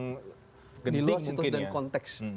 genting mungkin ya di luar situasi dan konteks